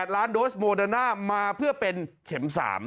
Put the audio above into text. ล้านโดสโมเดอร์น่ามาเพื่อเป็นเข็ม๓